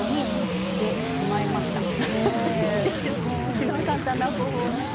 一番簡単な方法をね